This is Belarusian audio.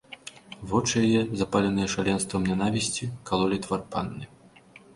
Вочы яе, запаленыя шаленствам нянавісці, калолі твар панны.